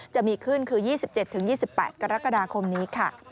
จะมีขึ้นคือ๒๗๒๘กรกฎาคมนี้ค่ะ